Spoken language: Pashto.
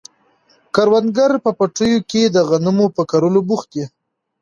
کروندګر په پټیو کې د غنمو په کرلو بوخت دي.